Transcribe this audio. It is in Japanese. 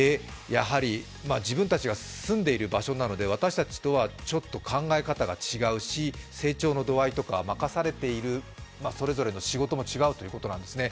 自分たちが住んでいる場所なので私たちと考え方が違うし、成長の度合いとか任されているそれぞれの仕事も違うということなんですね。